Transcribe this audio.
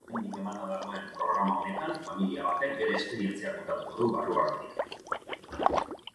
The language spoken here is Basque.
Lehendik emana dagoen programa honetan familia batek bere esperientzia kontatuko du barru-barrutik.